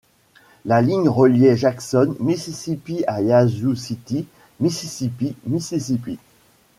La ligne reliait Jackson, Mississippi à Yazoo City, Mississippi, Mississippi.